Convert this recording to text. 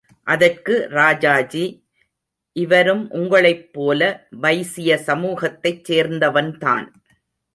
அதற்கு ராஜாஜி, இவரும் உங்களைப் போல வைசிய சமூகத்தைச் சேர்ந்தவன்தான்.